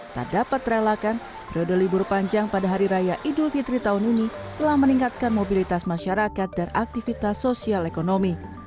tak dapat terelakkan roda libur panjang pada hari raya idul fitri tahun ini telah meningkatkan mobilitas masyarakat dan aktivitas sosial ekonomi